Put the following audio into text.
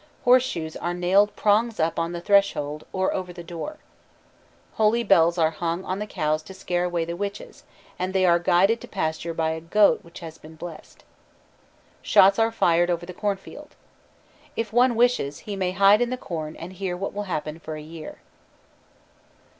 Horseshoes are nailed prongs up on the threshold or over the door. Holy bells are hung on the cows to scare away the witches, and they are guided to pasture by a goad which has been blessed. Shots are fired over the cornfield. If one wishes, he may hide in the corn and hear what will happen for a year.